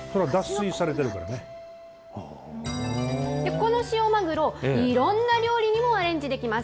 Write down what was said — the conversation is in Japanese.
この塩マグロ、いろんな料理にもアレンジできます。